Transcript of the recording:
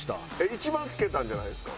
一番つけたんじゃないですか？